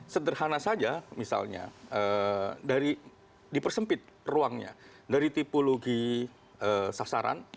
sederhana saja misalnya dari dipersempit ruangnya dari tipologi sasaran